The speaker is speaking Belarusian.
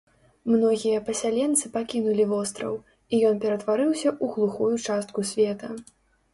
Многія пасяленцы пакінулі востраў, і ён ператварыўся ў глухую частку света.